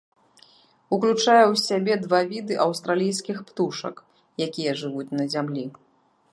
Уключае ў сябе два віды аўстралійскіх птушак, якія жывуць на зямлі.